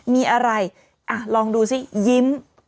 มีอะไรลองดูสิยิ้ม